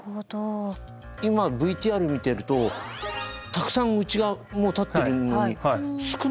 今ＶＴＲ見てるとたくさんうちがもう建ってるのに少ないですよね。